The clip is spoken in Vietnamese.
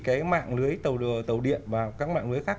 cái mạng lưới tàu điện vào các mạng lưới khác